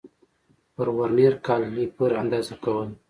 پر ورنیر کالیپر اندازه کول